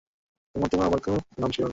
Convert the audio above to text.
জেলে না যাবার ধান্দা করছিস, তাই না?